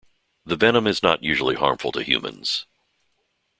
The venom is not usually harmful to humans.